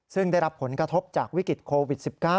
ซึ่งได้รับผลกระทบจากวิกฤตโควิด๑๙